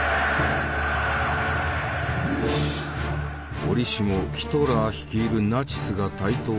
折しもヒトラー率いるナチスが台頭した時代。